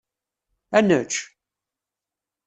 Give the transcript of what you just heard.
Ad nečč?